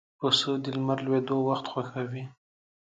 پسه د لمر لوېدو وخت خوښوي.